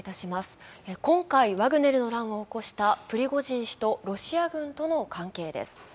今回、ワグネルの乱を起こしたプリゴジン氏とロシア軍との関係です。